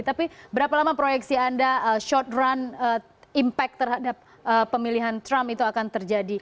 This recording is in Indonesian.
tapi berapa lama proyeksi anda short run impact terhadap pemilihan trump itu akan terjadi